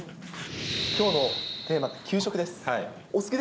きょうのテーマ、給食です。